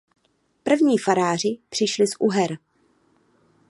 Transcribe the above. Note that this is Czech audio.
První faráři přišli z Uher.